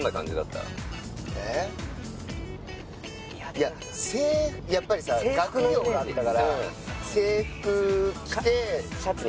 いややっぱりさ学業があったから制服のイメージ？